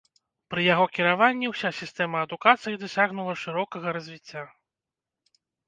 Пры яго кіраванні ўся сістэма адукацыі дасягнула шырокага развіцця.